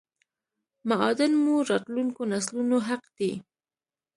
معادن مو راتلونکو نسلونو حق دی